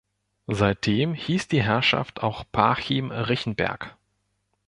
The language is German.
Seitdem hieß die Herrschaft auch Parchim-Richenberg.